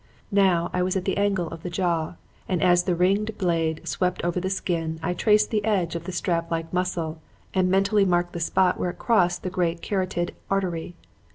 Now I was at the angle of the jaw, and as the ringing blade swept over the skin I traced the edge of the strap like muscle and mentally marked the spot where it crossed the great carotid artery.